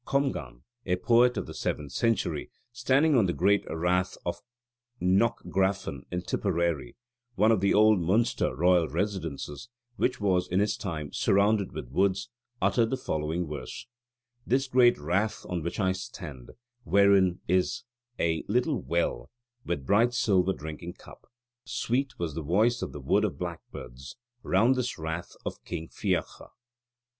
Comgan, a poet of the seventh century, standing on the great rath of Knockgraffon in Tipperary one of the old Munster royal residences which was in his time surrounded with woods, uttered the following verse: "This great rath on which I stand Wherein is a little well with a bright silver drinking cup: Sweet was the voice of the wood of blackbirds Round this rath of King Fiacha."